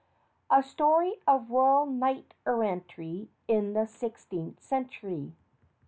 A STORY OF ROYAL KNIGHT ERRANTRY IN THE SIXTEENTH CENTURY.